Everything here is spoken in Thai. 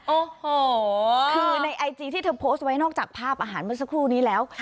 โอ้โหคือในไอจีที่เธอโพสต์ไว้นอกจากภาพอาหารเมื่อสักครู่นี้แล้ว